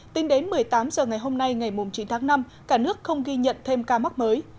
tính đến một mươi tám h ngày hôm nay ngày chín tháng năm cả nước không ghi nhận thêm ca mắc mới